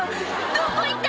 「どこいった？